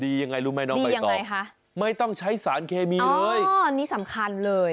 ยังไงรู้ไหมน้องใบตองยังไงคะไม่ต้องใช้สารเคมีเลยอ๋อนี่สำคัญเลย